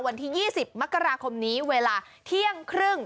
วันที่๒๐มกราคมนี้เวลาเที่ยงครึ่ง